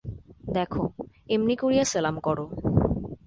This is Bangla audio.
দেখো, এমনি করিয়া সেলাম করো।